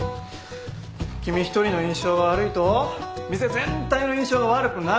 君１人の印象が悪いと店全体の印象が悪くなるんです。